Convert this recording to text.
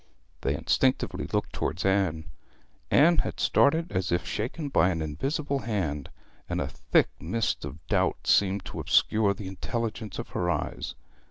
They instinctively looked towards Anne. Anne had started as if shaken by an invisible hand, and a thick mist of doubt seemed to obscure the intelligence of her eyes.